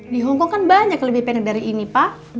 di hongkong kan banyak lebih pendek dari ini pak